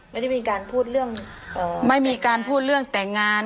ไม่ได้มีการพูดเรื่องไม่มีการพูดเรื่องแต่งงาน